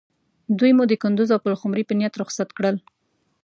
دوی مو د کندوز او پلخمري په نیت رخصت کړل.